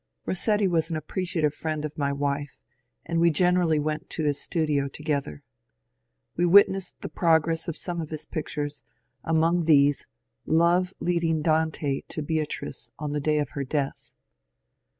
Rossetti was an appreciative friend of my wife, and we gen erally went to his studio together. We witnessed the progress of some of his pictures, among these ^^ Love leading Dante to Beatrice on the day of her death."